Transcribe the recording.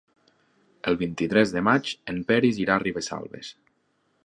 El vint-i-tres de maig en Peris irà a Ribesalbes.